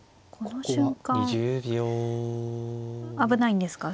この瞬間危ないんですか